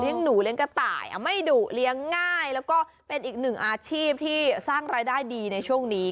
หนูเลี้ยงกระต่ายไม่ดุเลี้ยงง่ายแล้วก็เป็นอีกหนึ่งอาชีพที่สร้างรายได้ดีในช่วงนี้